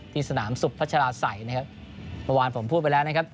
ที่สนามสุพพัชหราศัยประวัติผมพูดไปแล้วนะครับ